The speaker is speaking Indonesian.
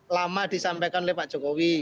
lama disampaikan oleh pak jokowi